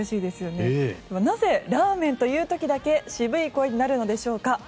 では、なぜラーメンと言う時だけ渋い声になるのでしょうか。